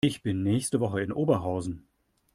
Ich bin nächste Woche in Oberhausen